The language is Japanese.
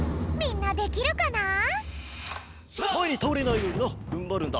まえにたおれないようになふんばるんだ。